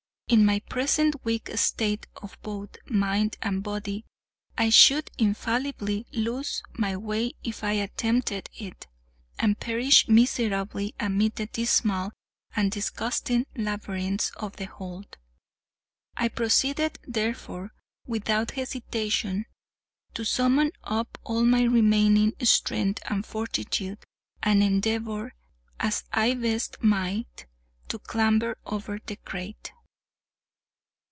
In my present weak state of both mind and body, I should infallibly lose my way if I attempted it, and perish miserably amid the dismal and disgusting labyrinths of the hold. I proceeded, therefore, without hesitation, to summon up all my remaining strength and fortitude, and endeavour, as I best might, to clamber over the crate.